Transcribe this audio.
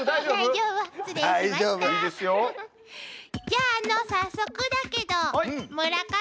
じゃああの早速だけど村上。